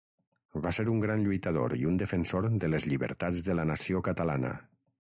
Va ser un gran lluitador i un defensor de les Llibertats de la nació Catalana.